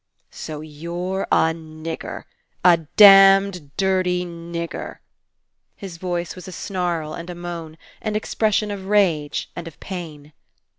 "So you're a nigger, a damned dirty nigger!" His voice was a snarl and a moan, an expression of rage and of pain.